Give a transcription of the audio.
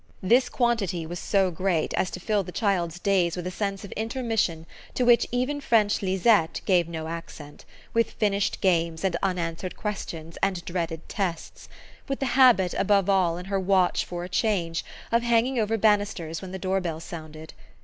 This quantity was so great as to fill the child's days with a sense of intermission to which even French Lisette gave no accent with finished games and unanswered questions and dreaded tests; with the habit, above all, in her watch for a change, of hanging over banisters when the door bell sounded.